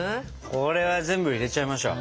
これは全部入れちゃいましょう。